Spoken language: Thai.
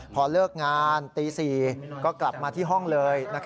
พอเลิกงานตี๔ก็กลับมาที่ห้องเลย